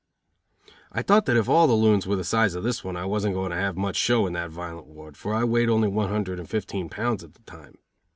I thought that if all the loons were the size of this one I wasn't going to have much show in that violent ward; for I weighed only one hundred and fifteen pounds at the time.